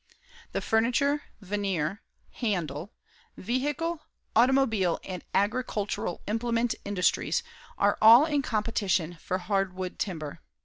The furniture, veneer, handle, vehicle, automobile and agricultural implement industries all are in competition for hardwood timber.